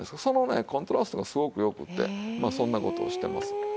そのコントラストがすごく良くてそんな事をしてます。